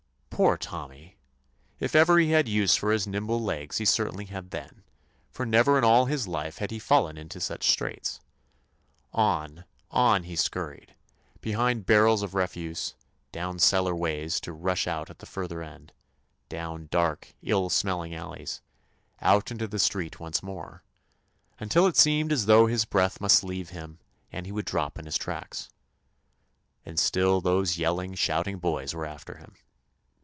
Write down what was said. Poor Tommy! if ever he had use for his nimble legs he certainly had then, for never in all his life had he fallen into such straits. On, on, he scurried; behind barrels of refuse, down cellar ways to rush out at the further end; down dark, ill smelling alleys; out into the street once more, 143 THE ADVENTURES OF until it seemed as though his breath must leave him and he would drop in his tracks. And still those yelling, shouting boys were after him.